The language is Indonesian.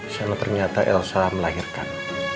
disana ternyata elsa melahirkan